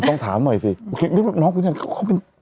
ต้องถามหน่อยสิลูกน้องคืนนั้นเขาเป็น